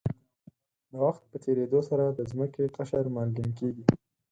د وخت په تېرېدو سره د ځمکې قشر مالګین کېږي.